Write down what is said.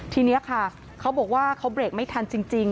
ทีนี้ค่ะเขาบอกว่าเขาเบรกไม่ทันจริง